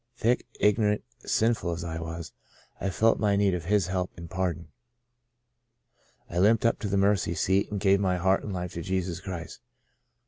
Thick, ignorant, sinful as I was, I felt my need of His help and pardon. I limped up to the mercy seat and "gave my heart and life to Jesus Christ.